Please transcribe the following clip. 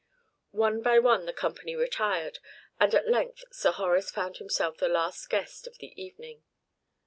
One by one the company retired, and at length Sir Horace found himself the last guest of the evening.